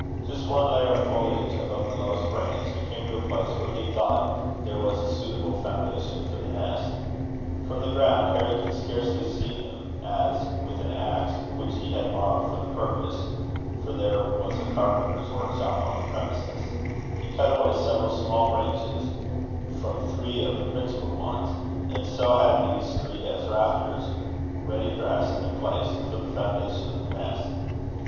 Just one layer of foliage above the lowest branches, he came to a place where he thought there was a suitable foundation for the nest. From the ground Harry could scarcely see him, as, with an axe which he had borrowed for the purpose (for there was a carpenter's work shop on the premises), he cut away several small branches from three of the principal ones; and so had these three as rafters, ready dressed and placed, for the foundation of the nest.